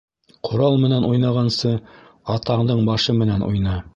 Ҡорал менән уйнағансы, атаңдың башы менән уйна.